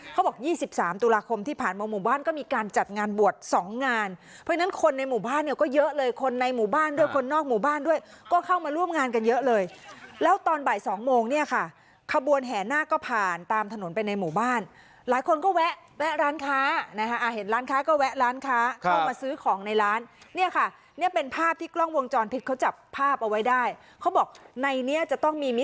เขาบอกยี่สิบสามตุลาคมที่ผ่านมาหมู่บ้านก็มีการจัดงานบวชสองงานเพราะฉะนั้นคนในหมู่บ้านเนี่ยก็เยอะเลยคนในหมู่บ้านด้วยคนนอกหมู่บ้านด้วยก็เข้ามาร่วมงานกันเยอะเลยแล้วตอนบ่ายสองโมงเนี่ยค่ะขบวนแห่หน้าก็ผ่านตามถนนไปในหมู่บ้านหลายคนก็แวะแวะร้านค้านะคะอ่าเห็นร้านค้าก็แวะร้านค้าเข้ามาซื้อของในร้านเนี่ยค